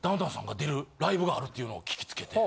があるっていうのを聞きつけて。